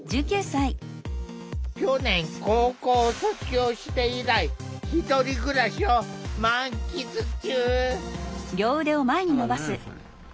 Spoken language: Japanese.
去年高校を卒業して以来１人暮らしを満喫中。